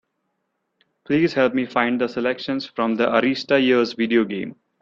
Please help me find the Selections from the Arista Years video game.